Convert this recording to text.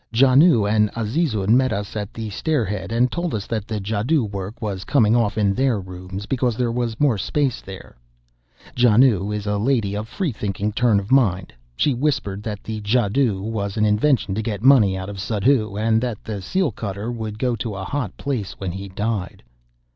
Janoo and Azizun met us at the stair head, and told us that the jadoo work was coming off in their rooms, because there was more space there. Janoo is a lady of a freethinking turn of mind. She whispered that the jadoo was an invention to get money out of Suddhoo, and that the seal cutter would go to a hot place when he died.